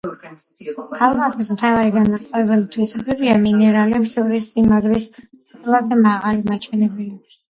ალმასის მთავარი განმასხვავებელი თვისებებია მინერალებს შორის სიმაგრის ყველაზე მაღალი მაჩვენებელი,